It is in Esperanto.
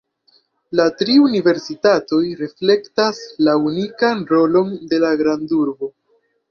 La tri universitatoj reflektas la unikan rolon de la grandurbo.